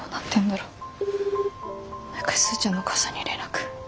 もう一回スーちゃんのお母さんに連絡。